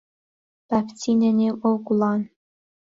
با بچینە نێو ئەو گوڵان.